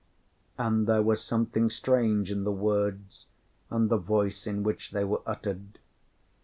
And there was something strange in the words and the voice in which they were uttered.